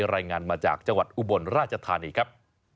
รายงานมาจากจังหวัดอุบลราชธานีครับ